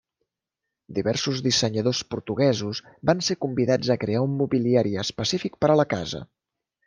Diversos dissenyadors portuguesos van ser convidats a crear un mobiliari específic per a la casa.